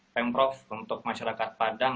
pemprov untuk masyarakat padang